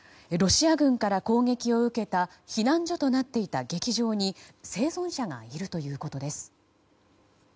ロシア軍から攻撃を受けた避難所となっていた劇場に生存者がいるということです。